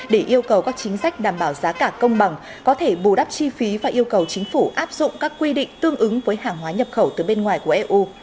để yêu cầu các chính sách đảm bảo giá cả công bằng có thể bù đắp chi phí và yêu cầu chính phủ áp dụng các quy định tương ứng với hàng hóa nhập khẩu từ bên ngoài của eu